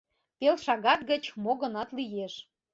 — Пел шагат гыч мо-гынат лиеш.